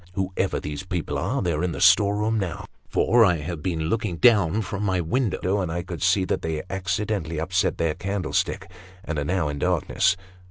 Whoever these people are, they are in the storeroom now, for I have been looking down from my window, and I could see that they accidentally upset their candlestick, and are now in darkness.